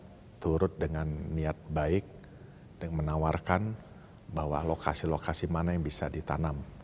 mereka juga turut dengan niat baik dan menawarkan bahwa lokasi lokasi mana yang bisa dibuatnya